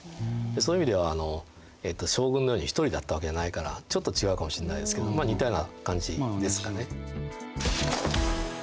そういう意味では将軍のように一人だったわけじゃないからちょっと違うかもしれないですけど似たような感じですかね。